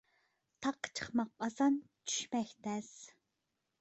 تاغقا چىقماق ئاسان، چۈشمەك تەس.